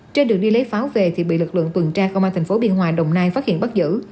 trên đường đi lấy pháo về thì bị lực lượng tuần tra công an tp biên hòa đồng nai phát hiện bắt giữ